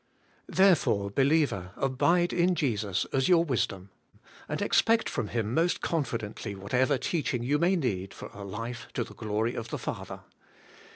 Therefore, believer, abide in Jesus as your wisdom, and expect from Him most confidently whatever teaching you may need for a life to the glory of the Father.